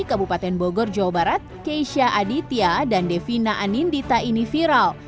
kabupaten bogor jawa barat keisha aditya dan devina anindita ini viral